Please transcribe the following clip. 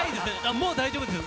もう大丈夫です。